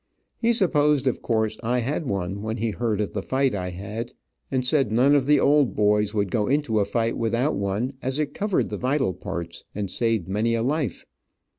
He supposed of course I had one, when he heard of the fight I had, and said none of the old boys would go into a fight without one, as it covered the vital parts, and saved many a life.